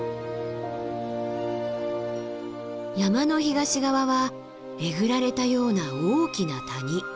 山の東側はえぐられたような大きな谷。